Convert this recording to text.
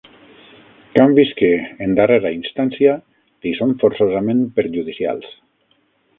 Canvis que, en darrera instància, li són forçosament perjudicials.